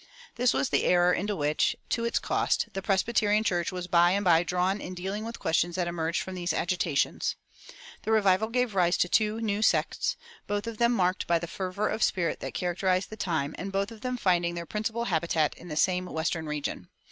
This was the error into which, to its cost, the Presbyterian Church was by and by drawn in dealing with questions that emerged from these agitations. The revival gave rise to two new sects, both of them marked by the fervor of spirit that characterized the time, and both of them finding their principal habitat in the same western region.